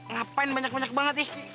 ngapain banyak banyak banget nih